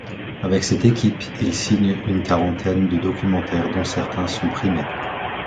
Avec cette équipe, il signe une quarantaine de documentaires, dont certains sont primés.